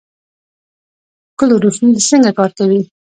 کلوروفیل څنګه کار کوي؟